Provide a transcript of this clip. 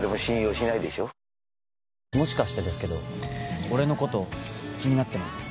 もしかしてですけど俺のこと、気になってますか。